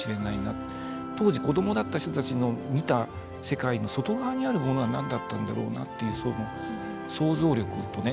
当時子どもだった人たちの見た世界の外側にあるものは何だったんだろうなっていう想像力とね